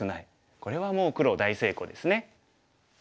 これはもう黒大成功ですね。